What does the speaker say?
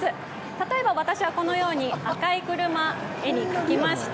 例えば私はこのように赤い車を絵に描きました。